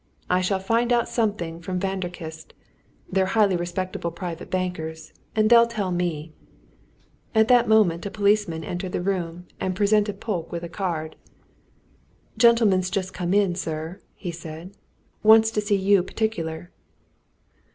I shall find out something from Vanderkistes they're highly respectable private bankers, and they'll tell me " At that moment a policeman entered the room and presented Polke with a card. "Gentleman's just come in, sir," he said. "Wants to see you particular."